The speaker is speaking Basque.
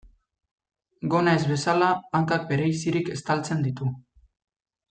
Gona ez bezala, hankak bereizirik estaltzen ditu.